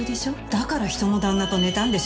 だから人の旦那と寝たんでしょ？